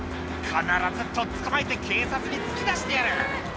「必ずとっ捕まえて警察に突き出してやる！」